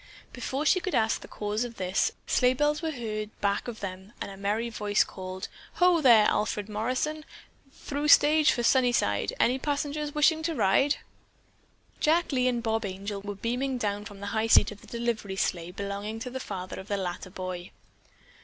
Before she could ask the cause of this, sleigh bells were heard back of them and a merry voice called: "Ho there, Alfred Morrison! Through stage for Sunnyside! Any passengers wish to ride?" Jack Lee and Bob Angel were beaming down from the high seat of a delivery sleigh belonging to the father of the latter boy.